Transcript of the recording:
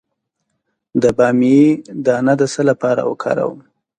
د بامیې دانه د څه لپاره وکاروم؟